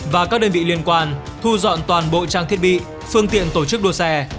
và các đơn vị liên quan thu dọn toàn bộ trang thiết bị phương tiện tổ chức đua xe